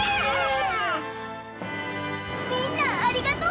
みんなありがとう！